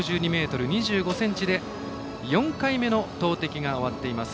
６２ｍ２５ｃｍで４回目の投てきが終わっています。